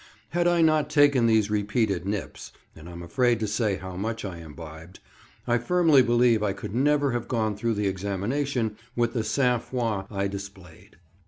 Had I not taken these repeated nips—and I'm afraid to say how much I imbibed—I firmly believe I could never have gone through the examination with the sang froid I displayed.